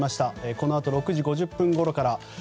このあと６時５０分ごろから。